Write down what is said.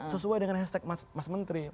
sesuai dengan hashtag mas menteri